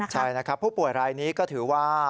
ใช่ผู้ป่วยรายนี้ก็ถือว่า